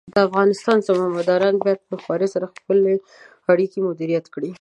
د افغانستان زمامداران باید په هوښیارۍ سره خپلې اړیکې مدیریت کړي.